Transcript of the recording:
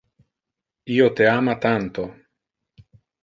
Io te ama tanto.